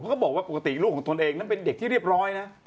ก็บอกว่าปกติลูกของตนเองนั้นเป็นเด็กที่เรียบร้อยนะ